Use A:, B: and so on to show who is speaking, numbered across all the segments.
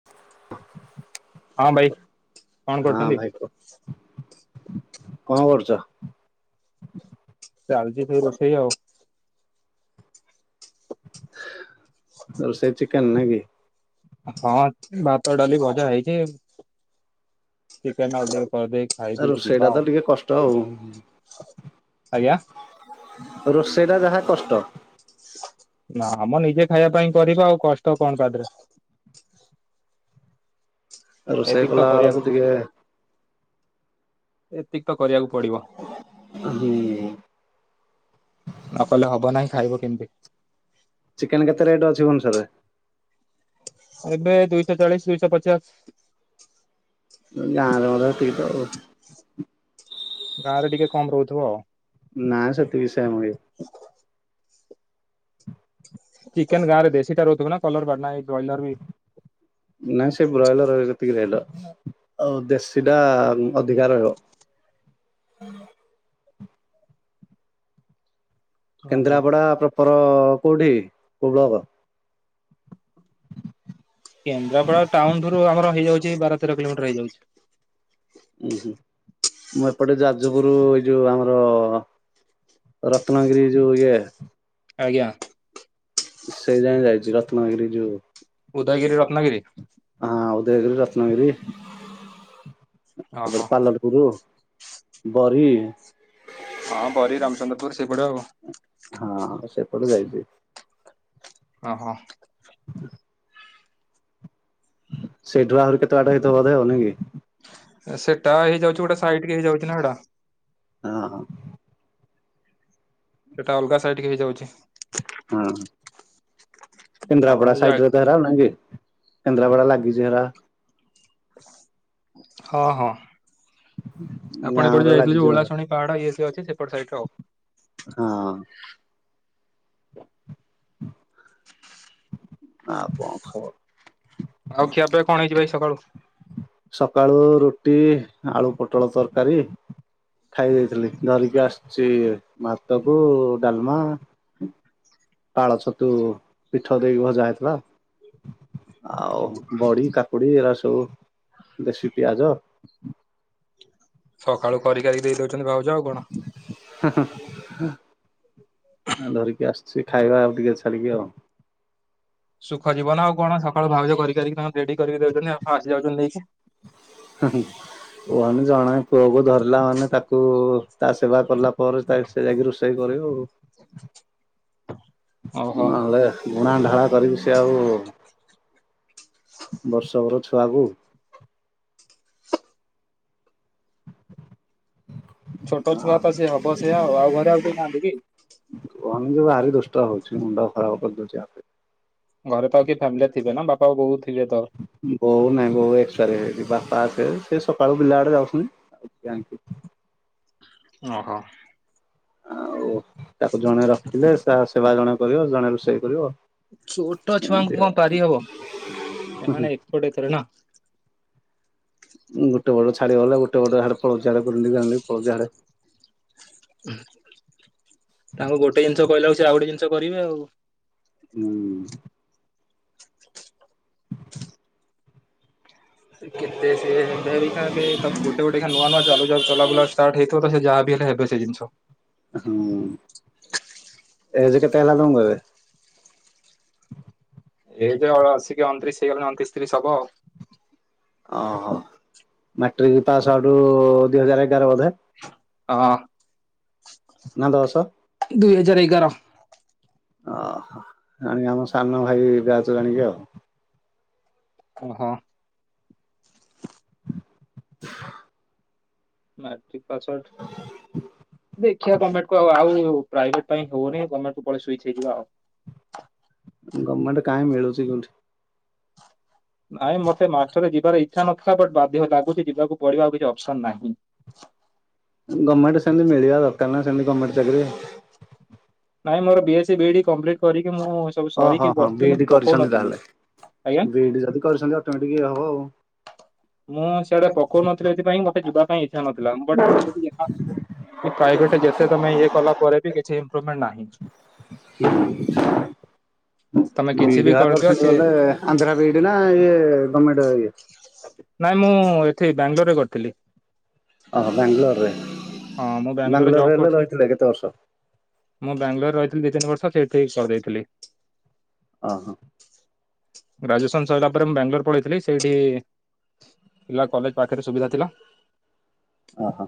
A: [inaudible]
B: ହଁ ଭାଇ। କଣ
A: ହଁ
B: କରୁଛନ୍ତି?
A: ଭାଇ କୁହକଣ କରୁଛ?
B: ଚାଲଛି ସେଇ ରୋଷେଇ ଆଉ।
A: ରୋଷେଇ ଚିକେନ ନା କି?
B: ହଁ ଭାତ, ଡାଲି, ଭଜା ହେଇଛି ଚିକେନ ଅର୍ଡର କରିଦେଇଚି।
A: ରୋଷେଇଟା ତ ଟିକେ କଷ୍ଟ ଆଉ।
B: ଆଜ୍ଞା
A: ରୋଷେଇଟା ଯାହା କଷ୍ଟ।
B: ନା ମ ନିଜେ ଖାଇବା ପାଇଁ କରିବା ଆଉ କଷ୍ଟ କଣ ତା ଦେହରେ।
A: ରୋଷେଇ
B: ଏତିକି ତ
A: କଲା ବେଳକୁ
B: କରିବାକୁ
A: ଟିକେ
B: ଏତିକି ତ କରିବାକୁ ପଡିବ।
A: [unintelligible]
B: ନକଲେ ହବ ନାହିଁ ଖାଇବ କେମିତି?
A: ଚିକେନ କେତେ ରେଟ ଅଛି ଭୁବେନେଶ୍ବରେ?
B: ଏବେ ଦୁଇଶହ ଚାଳିଶ ଦୁଇଶହ ପଚାଶ।
A: [unintelligible]
B: ଗାଁ ରେ ଟିକେ କମ ରହୁଥିବ।
A: ନାଁ ସତି ବିଷୟ ମଇ।
B: ଚିକେନ ଗାଁରେ ଦେଶୀ ଟା ରହୁଥିବ ନା କଲର ବାଲା ବ୍ରଏଲର ମି।
A: ନାଇ ସେ ବ୍ରୟଲ ସେତିକି ରହିଲ ଆଉ ଦେଶୀଟା ଅଧିକା ରହିବ।
B: ଓହୋ
A: କେନ୍ଦ୍ରାପଡ଼ା ପ୍ରପର କୋଉଁଠି କୋଉ ବ୍ଲକ?
B: କେନ୍ଦ୍ରାପଡା ଟାଉନୁ ଠାରୁଆମର ହେଇଯାଉଛି ବାର ତେର କିଲୋମିଟର ହେଇଯାଉଛି।
A: ଉଁ ହୁଁ ମୁଁ ଏପଟେ ଯାଜପୁର ଏଇ ଯୋଉ ଆମର ରତ୍ନାଗିରି ଯଉ ଇଏ
B: ଆଜ୍ଞା।
A: ସେଇ ଯାଏଁ ଯାଇଛି ରତ୍ନଗିରି ଯୋଉ
B: ଉଦୟଗିରି ରତ୍ନାଗିରି।
A: ହଁ ଉଦୟଗିରି ରତ୍ନଗିରି।
B: ଓହୋ
A: [unintelligible]
B: ହଁ ବରୀ ରାମଚନ୍ଦ୍ରପୁର ସେଇପଟେ ଆଉ।
A: ହଁ ସେପଟେ ଯାଇଛିି।
B: ଓହୋ।
A: [inaudible] ସେଇଡୁ ଆହୁରି କେତେ ବାଟ ହେଇଥିବା ବୋଧେ ନୁହଁ କି?
B: ସେଟା ହେଇଯାଉଛି ଗୋଟେ ସାଇଡ କି ହେଇଯାଉଛି ନା ସେଇଟା।
A: ହଁ ହଁ।
B: ସେଇଟା ଅଲଗା ସାଇଡିକି ହେଇଯାଉଛି।
A: ହଁ
B: ଆପଣ
A: କେନ୍ଦ୍ରାପଡା
B: ଯୋଉ ଯାଇ
A: ସାଇଡରେ ତ ଆଉ ନାଗୀ କେନ୍ଦ୍ରାପଡ଼ା ଲାଗିଛି ହେରା।
B: ହଁ ହଁ
A: ଗାଁ
B: ଆପଣ ଏପଟେ
A: ଗୁରା
B: ଯାଇଥିଲେ
A: ଲାଗିଛି
B: ଜୋଉ
A: ମୋର
B: ଓଳାଶୁଣି। ପାହଡ ଇଏ ସିଏ ଅଛି। ଏପଟ ସାଇଡର ଆଉ।
A: ହଁ। ଆଉ କଣ ଖବର?
B: ଆଉ ଖିଆ ପିଆ କଣ ହେଇଛି ଭାଇ ସକାଳୁ?
A: ସକାଳୁ ରୁଟି ଆଳୁ ପୋଟଳ ତରକାରୀ ଖାଇ ଦେଇଥିଲି ଧରିକି ଆସୁଛି ଭାତ କୁ ଡାଲମା ପାଳ ଛତୁ ପିଠଉ ଦେଇକି ଭଜା ହେଇଥିଲା ଆଉ ବଡି କା କାକୁଡି ଏରା ସବୁ ଦେଶୀ ପିଆଜ
B: ସକାଳୁ କରି କାରିକି ଦେଇ ଦଉଛନ୍ତି ଭାଉଜ ଆଉ କଣ।
A: ହୁଁ ହୁଁ। ଧରିକି ଆସୁଛି ଖାଇବା ଆଉ ଟିକେ ଛାଡ଼ିକି ଆଉ।
B: ସୁଖ ଜୀବନ ଆଉ କଣ ସକାଳୁ ଭାଉଜ କରିି କାରିକି ତାଙ୍କର ରେଡି କରିକି ଦଉଛନ୍ତି ଆ ଆସି ଯାଉଛନ୍ତି ନେଇକି।
A: ହୁଁ ହୁଁ। କୁହନି ଜଣେ ପୁଅକୁ ଧରିଲା ମାନେ ତାକୁ ତା ସେବା କଲା ପରେ ତା ସେ ଯାଇକି ରୋଷେଇ କରିବ ଆଉ।
B: [unintelligible] ଓହୋ
A: ନହେଲେ ଗୁଣା ଢାଳା କରିକି ସେ ଆଉ ବର୍ଷକର ଛୁଆକୁ
B: ଛୋଟ ଛୁଆ ତ ସେ ହବ ସେଇଆ ଆଉ ଆଉ ଘରେ ଆଉ କେହି ନାହାନ୍ତି କି?
A: କୁହନି ଯେ ଭାରି ଦୁଷ୍ଟ ହଉଛି ମୁଣ୍ଡ ଖରାପ କରିଦଉଛି ଆଉ।
B: ଘରେ ତ ଆଉ କିଏ ଫ୍ୟାମିଲିରେ ଥିବେ ନା ବାପା ବୋଉ ଥିବେ ତ
A: ବୋଉ ନାଇଁ ବୋଉ ଏସ୍ପରେ କରି ଯାଇଛି ବାପା ଅଛି ଯେ ସେ ସକାଳୁ ବିଲା ବଡେ ଯାଉଛନ୍ତି। ଥାକିୟୁ।
B: ଓହୋ।
A: ଆଉ ତାକୁ ଜଣେ ରଖିଲେ ସେବା ଜଣେ କରିବ ଜଣେ ରୋଷେଇ କରିବ।
B: ଛୋଟ ଛୁଆଙ୍କୁ
A: ଏମିତି
B: କଣ
A: ଆଉ।
B: ପାରିହବ। ସେମାନେ ଏକ୍ସପ୍ଟ୍ ଏଇଥରେ ନା।
A: ଗୋଟେ ଗୋଡ ଛାଡି ଗଲେ ଗୋଟେ ରେ ହାଡେ ପଳୋଚି ହାଡେ ଗୁରୁଣ୍ଡି ଗୁରୁଣ୍ଡି ପଳୋଉଚି ହାଡେ।
B: ତାଙ୍କୁ ଗୋଟେ ଜିନିଷ କହିଲା ବେଳକୁ ସେ ଆଉ ଗୋଟେ ଜିନିଷ କରିବେ ଆଉ।
A: ହୁଁ।
B: କେତେ ସେ ହେବେ ଅବିକା ଏବେ ଗୋଟେ ଗୋଟେ ଖା ନୂଆ ନୂଆ ଚାଲୁ ଚଲା ବୁଲା ଆସଛି। ତାଠି ହେଇଥିବ ତ ସେ ଯାହା ବି ହେଲେ ହେବେ ସେ ଜିନିଷ।
A: ହୁଁ ଏଜ୍ କେତେ ହେଲା ତମକୁ ଏବେ?
B: ଏଜ୍ ଆସିକି ଅଣତିରିଶି ହେଇଗଲାଣି ଅଣତିରିଶି ତିରିଶି ହବ ଆଉ।
A: ଓହୋ ମାଟ୍ରିକ ପାସ୍ ହବାଠୁ ଦିଇ ହଜାର ଏଗାର ବୋଧେ?
B: ହଁ।
A: ନା ଦଶ?
B: ଦୁଇ ହଜାର ଏଗାର।
A: ଓହୋ ଯାଣିକି ଆମ ସାନ ଭାଇ ବ୍ୟାଚ୍ ଯାଣିକି ଆଉ।
B: ଓହୋ। ମାଟ୍ରିକ ପାସୱାଟ୍ ଦେଖିଆ ଗମେଣ୍ଟକୁ ଆ-ଆଉ ପ୍ରାଇଭେଟ ପାଇଁ ହୋଉନି ଗମେଣ୍ଟ୍ କୁ ପଳେ ସୁଇଚ୍ ହେଇଯିବା ଆଉ।
A: ଗମେଣ୍ଟେ କାହିଁ ମିଳୁଛି କିଉଠି।
B: ନାଇଁ ମତେ ମାଷ୍ଟରେ ଯିବାର ଇଚ୍ଛା ନଥିଲା ବଟ୍ ବାଧ୍ୟ ଲାଗୁଛି ଯିବାକୁ ପଡିବା ଆଉ କିଛି ଅପସନ୍ ନାହିଁ।
A: ଗମେଣ୍ଟରେ ସେମିତି ମିଳିବା ଦରକାର ନାଁ ସେମିତି ଗାମେଣ୍ଟେ ଚାକିରି।
B: ନାଇଁ ମୋର ବି ଏ ସି ବିଇଡି କମ୍ପ୍ଲିଟ କରିକି ମୁଁ ସବୁ
A: ଓହୋ ହ
B: ସରିକି
A: ହଁ
B: ବସିଥିଲି
A: ବି ଇ
B: ମୁଁ
A: ଡି କରିଛନ୍ତି
B: ପକଉନଥିଲି।
A: ତାହେଲେ
B: ଆଜ୍ଞା
A: ବି ଇ ଡି ଯଦି କରିଛନ୍ତି ଅଟୋମେଟିକ୍ ଇଏ ହବ ଆଉ।
B: ମୁଁ ସିଆଡେ ପକଉନଥିଲି ଏଥିପାଇଁ ମତେ ଯିବା ପାଇଁ ଇଚ୍ଛା ନଥିଲା ବଟ୍ ଏ ସେ ଜି କି ପ୍ରାଇଭେଟ୍ ଯେତେ ତମେ ଇଏ କଲା ପରେ ବି କିଛି ଇମ୍ପ୍ରୁପମେଣ୍ଟ ନାହିଁ। ତମେ କିଛି ବି
A: ଯା
B: କରିଦିଅ
A: କରୁଛନ୍ତି
B: ସେ
A: ବଲେ ଆନ୍ଧ୍ରା ବିଇଡ଼ ନା ଏଇ ଗର୍ଣମେଣ୍ଟଇଏ
B: ନାଇଁ ମୁଁ ଏଠି ବାଙ୍ଗାଲୋରରେ କରିଥିଲି।
A: ଓହୋ ବାଙ୍ଗାଲୋରରେ
B: ହଁ ମୁଁ ଜବ୍
A: ବାଙ୍ଗାଲୋରରେ ହେଲେ
B: କରୁଥିଲି।
A: ରହିଥିଲା କେତେ ବର୍ଷ?
B: ମୁଁ ବାଙ୍ଗଲୋରରେ ରହିଥିଲି ଦିଇ ତିନିର୍ଷ ସେଇଠି କରିଦେଇଥିଲି।
A: ଓଁ ହଁ।
B: ଗ୍ରାଜୁଏସନ୍ ସରିଲ ପରେ ମୁଁ ବାଙ୍ଗାଲୋର ପଳେଇଥିଲି ସେଇଠି ପା କଲେଜ ପାଖରେ ସୁବିଧା ଥିଲା।
A: ଓହୋ।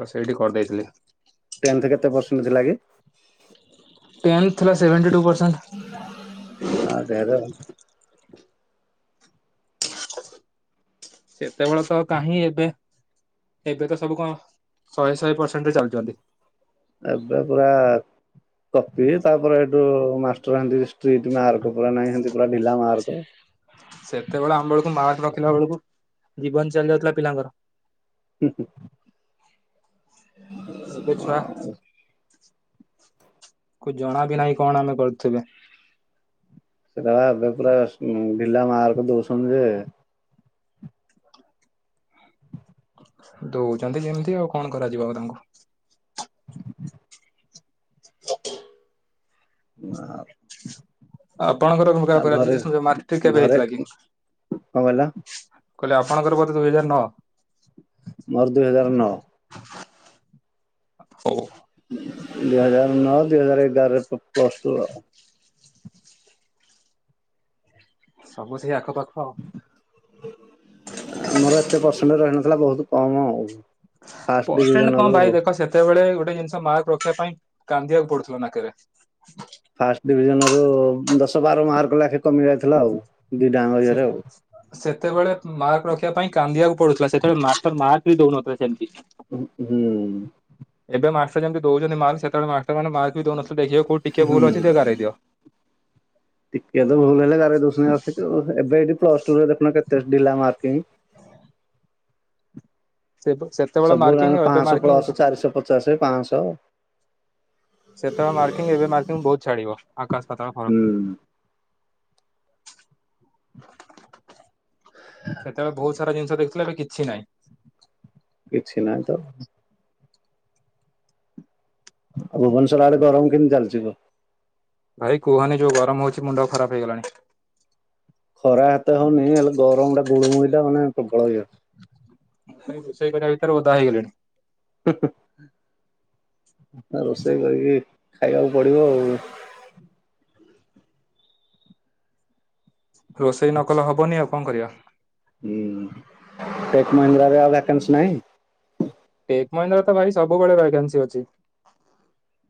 B: ତ ସେଇଠି କରିଦେଇଥିଲି।
A: ଟେନ୍ଥ କେତେ ପରସେଣ୍ଟ ଥିଲା କି?
B: ଟେନ୍ ଥିଲା ସେଭେଣ୍ଟି ଟୁ ପରସେଣ୍ଟ।
A: ହଁ ସେ
B: ସେତେବେଳେ ତ କାହିଁ ଏବେ ଏବେ ତ ସବୁ କଣ ଶହେ ଶହେ ପରସେଣ୍ଟରେ ଚାଲଛନ୍ତି।
A: ଏବେ ପୁରା କପି ତାପରେ ଏଇଠୁ ମାଷ୍ଟର ହେନ୍ତି ଷ୍ଟ୍ରିଟ୍ ମାର୍କ ପୁରା ନହିଁନ୍ତି ପୁରା ଢିଲା ମାର୍କ।
B: ସେତେବେଳେ ଆମ ବେଳକୁ ମାର୍କ ରଖିଲା ବେଳକୁ ଜୀବନ ଚାଲି ଯାଉଥିଲା ପିଲାଙ୍କର।
A: ହୁଁ ହୁଁ।
B: ଏବେଛୁଆ କୁ ଜଣା ବିି ନାହିଁ କଣ ଆମେ କରୁଥିବେ।
A: ସେଟା ବା ଏବେ ପୁରା ଢିଲା ମାର୍କ ଦଉଛନ୍ତି ଯେ
B: ଦଉଛନ୍ତି ଯେମିତି ଆଉ କଣ କରାଯିବ ଆଉ ତାଙ୍କୁ।
A: ନା
B: ଆପଣଙ୍କର [unintelligible] କେବେ
A: ଘରେ
B: ହେଇଥିଲା କି?
A: କଣ କହିଲ?
B: କହିଲେ ଆପଣଙ୍କର ବୋଧେ ଦୁଇ ହଜାର ନଅ।
A: ମୋର ଦୁଇ ହଜାର ନଅ।
B: ହଉ।
A: ଦୁଇ ହଜାର ନଅ ଦୁଇ ହଜାର ଏଗାରରେ ପ୍ଲସ ଟୁ ଆଉ।
B: ସବୁ ସେଇ ଆଖପାଖ ଆଉ।
A: ଆମର ଏତେ ପରସେଣ୍ଟ ରହିନଥିଲା ବହୁତ କମ ଆଉ। ଫାଷ୍ଟ
B: ପର୍ସେଣ୍ଟ କଣ
A: ଡିଭିଜନରୁ
B: ବାଇ ଦେଖ ସେ ସେତେବେଳେ ଗୋଟେ ଜିନିଷ ମାର୍କ ରଖିବା ପାଇଁ କାନ୍ଦିବାକୁ ପଡୁଥିଲା ନାକରେ।
A: ଫାଷ୍ଟ ଡିଭିଜନ ରୁ ଦଶ ବାର ମାର୍କ ଲେଖେ କମି ଯାଇଥିଲା ଆଉ ଦି ଟାଙ୍କ ଇଏରେ ଆଉ।
B: ସେତେବେଳେ ମାର୍କ ରଖିବା ପାଇଁ କାନ୍ଦିିବାକୁ ପଡୁଥିଲା ସେତେବେଳେ ମାର ମାର୍କ ବି ଦଉନଥିଲେ ସେମିତି।
A: ଉ ହୁଁ।
B: ଏବେ ମାଷ୍ଟର ଯେମତି ଦଉଛନ୍ତି ମାର୍କ ସେତବେଳେ ମାଷ୍ଟର ମାନେ ମାର୍କ ବି ଦଉନଥିଲେ ଦେଖିବା କୋଉ
A: ହୁଁ।
B: ହ
A: ଟିକେ ତ ଭୁଲ୍ ହେଲେ ଗାରେଇ ଦଉଛନ୍ତି ଏବେଠି ପ୍ଲସ ଟୁରେ ଦେଖୁନା କେତେ ଡିଲା ମାର୍କିଂ।
B: ସେ ସେତେବେଳେ
A: ସବୁେ
B: ମାର୍କିଂ ଏବେ
A: ପାଞ୍ଚଶହ
B: ମାର୍କିଂ
A: ପ୍ଲସ ଚାରିଶହ ପଚାଶ ପାଞ୍ଚଶହ।
B: ସେତେବେଳେ ମାର୍କିଂ ଏବେ ମାର୍କିଂ ବହୁତ ଛାଡିବ ଆକାଶ ପାତଳ ଫରକ। ସେତେବେଳେ ବହୁତ ସାରା ଜିନିଷ ଦେଖିଥିଲେ ଏବେ କିଛି ନାହିଁ।
A: କିଛି ନାହିଁ ତ। ଆଉ ଭୁବନେଶ୍ୱର ଆରେ ଗରମ କେମିତି ଚାଲିଛିିବ?
B: ଭାଇ କୁହନି ଯୋଉ ଗରମ ହଉଛି ମୁଣ୍ଡ ଖରାପ ହେଇଗଲାଣି।
A: ଖରା ଏତେ ହଉନି ହେଲେ ଗରମ ଟା ଗୁଳୁଟା ମାନେ ପ୍ରବଳ ହେଇଯାଉ
B: ରୋଷେଇ କରିବା ଭିତରେ ଓଦା ହେଇଗଲିଣି।
A: ରୋଷେଇ କରିକି ଖାଇବାକୁ ପଡିବ ଆଉ।
B: ରୋଷେଇ ନକଲେ ହବନି ଆଉ କଣ କରିବା।
A: ହୁଁ ଟେକ୍ ମହିନ୍ଦ୍ରା ରେ ଆଉ ଭ୍ୟାକାନ୍ସି ନାହିଁ।
B: ଟେକ୍ ମହିନ୍ଦ୍ରା ତ ଭାଇ ସବୁବେଳେ ଭକେନ୍ସି ଅଛି।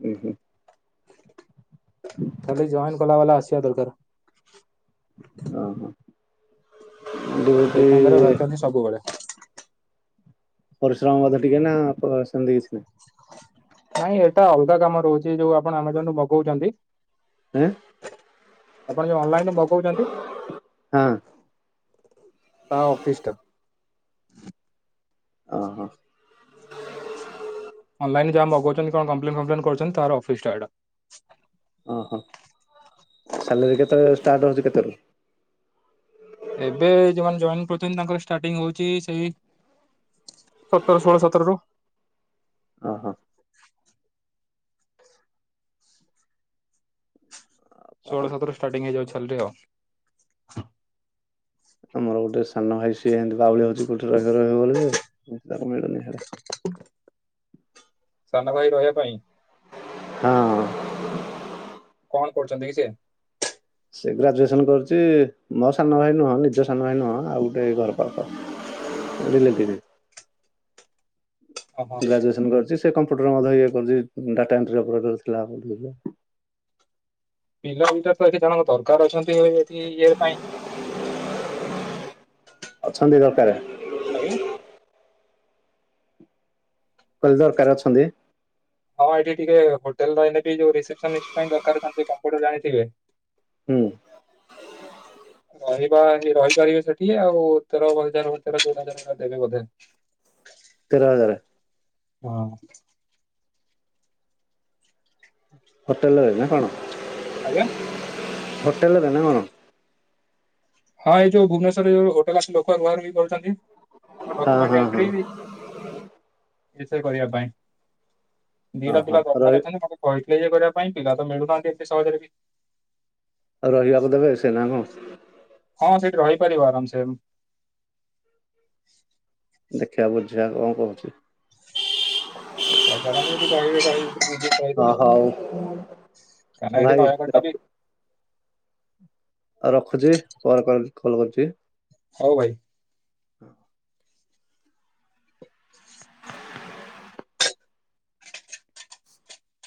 A: ହୁଁ ହୁଁ।
B: ଖାଲି ଜଏନ୍ କଲା ବାଲା ଆସିବା ଦରକାର।
A: ଅ ହ।
B: ଟେକ୍ ମହିନ୍ଦ୍ରା ରେ ଭାକାନ୍ସି ସବୁବେଳେ।
A: ପରିଶ୍ରମ ମଧ୍ୟ ଟିକେ ନା ସେମିତି କିଛି ନାହିଁ।
B: ନାଇଁ ଏଇଟା ଅଲଗା କାମ ରହୁଛି ଯୋଉ ଆପଣ ଆମଜନ୍ ରୁ ମଗଉଛନ୍ତି।
A: ଉଁ।
B: ଆପଣ ଯଉ ଅନଲାଇନ
A: ହଁ।
B: ତା ଅଫିସ ଟା।
A: ଅ ହ।
B: ଅନଲାଇନ୍ ଯୋଉ ଆମେ ମଗଉଛନ୍ତି କଣ କମ୍ପ୍ଲେନ୍ ଫମ୍ପଲେନ୍ କରୁଛନ୍ତି ତାର ଅଫିସ୍ ଟା ଏଟା।
A: ଅ ହ ସାଲରୀ କେତେ ଷ୍ଟାର୍ଟ ହଉଛି କେତେ ରୁ?
B: ଏବେ ଯୋଉମାନେ ଜଏନ କରୁଛନ୍ତି ତାଙ୍କର ଷ୍ଟାର୍ଟିଂ ହଉଛି ସେଇ ସତର ଷୋହଳ ସତରରୁ।
A: ଅହ।
B: ଷୋଳ ସତରୁ ଷ୍ଟାଟିଂ ହେଇଯାଉଛି ସାଲେରି ଆଉ।
A: ଆମର ଗୋଟେ ସାନ ଭାଇ ସିଏମତି ବାଉଳି ହଉଛି ଗୋଟେ ରହିବ ରହିବ ବୋଲି ଯେ ତାକୁ ମିଳୁନି ହେଲେ।
B: ସାନ ଭାଇ ରହିବା ପାଇଁ।
A: ହଁ।
B: କଣ କରୁଛନ୍ତି କି ସେ?
A: ସେ ଗ୍ରାଜୁଏସନ କରୁଛି ମୋ ସାନ ଭାଇ ନୁହଁ ନିଜ ସାନ ଭାଇ ନୁହଁ ଆଉ ଗୋଟେ ଘର ପାଖ। ରିଲେଟିବ।
B: ଓହୋ
A: ଗ୍ରାଜୁଏସନ କରିଛି ସେ କମ୍ପ୍ୟୁଟର ମଧ୍ୟ ଇଏ କରଛି ଡାଟା ଏଣ୍ଟ୍ରି ଅପରେଟର ଥିଲା [unintelligible]
B: ପିଲା ଭିତରେ ତ ଏଠି ଜଣଙ୍କ ଦରକାର ଅଛନ୍ତି ଏଠି ଇଏ ପାଇଁ।
A: ଅଛନ୍ତି ଦରକାର।
B: ଆଜ୍ଞା।
A: ମୁଁ କହିଲି ଦରକାର ଅଛନ୍ତି।
B: ହଁ ଏଠି ଟିକେ ହୋଟେଲ ରହିଲେ ଯୋଉ ରିସେପସନ୍ ଲିଷ୍ଟ ପାଇଁ ଦରକାର ଥାନ୍ତେ କମ୍ପୂଟର ଜାଣିଥିବେ।
A: ହୁଁ।
B: [unintelligible] ରହିବା ରହିପାରିବେ ସେଠି ଆଉ ତେର ହଜାର ତେର ଚଉଦ ହଜାର ଭଳିଆ ଦେବେ ବୋଧେ। ହ
A: ତେରହଜାର
B: ହଁ।
A: ହୋଟେଲରେ ରହିବେ ନା କଣ?
B: ଆଜ୍ଞା
A: ହୋଟେଲରେ ନା କଣ?
B: ହଁ ଏଇ ଯୋଉ ଭୁବନେଶ୍ରରେ ଯୋଉ ହୋଟେଲ ଆସି ଲୋକ ରୁହା ରୁହି କରୁଛନ୍ତି ତାଙ୍କର
A: ହଁ
B: ଡକ୍ୟୁମେଣ୍ଟ
A: ହଁ ହଁ
B: ଏଣ୍ଟ୍ରି ଏ ସେ କରିବା ପାଇଁ
A: ହଁ
B: ଦିଟା
A: ହଁ
B: ପିଲା ଦରକାର
A: ରହି
B: ଅଛନ୍ତି ମତେ କହିଥିଲେ ଯେ କରିବା ପାଇଁ ପିଲା ତ ମିଳୁନାହାନ୍ତି ଏତେ ସହଜରେ ବି।
A: ଆଉ ରହିବାକୁ ଦେବେ ସେନା କଣ?
B: ହଁ ସେଇଠି ରହିପାରିବ ଆରାମ ସେ
A: ଦେଖିବା ବୁଝିବା କଣ କହୁଚି।
B: ପଚାରନ୍ତୁ ଯଦି କହିବେ କହି ବୁଝିକି
A: ହଁ
B: କହିଦେବି।
A: ହଉ
B: କାନ
A: ହଉ
B: ଏଡି
A: ଭାଇ
B: [unintelligible]
A: ଆଉ ରଖୁଚି ପରେ କ କଲ କରୁଚି।
B: ହଉ ଭାଇ।